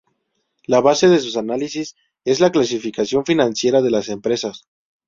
La base de su análisis es la clasificación financiera de las empresas.